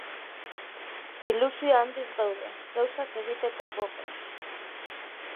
Ilusio handiz gaude, gauzak egiteko gogoz.